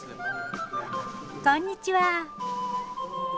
こんにちは。